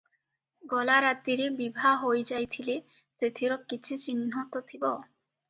ଗଲା ରାତିରେ ବିଭା ହୋଇ ଯାଇଥିଲେ ସେଥିର କିଛି ଚିହ୍ନ ତ ଥିବ ।"